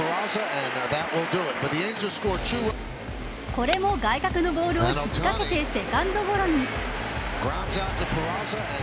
これも外角のボールを引っ掛けてセカンドゴロに。